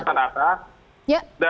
mengumpulkan semua data data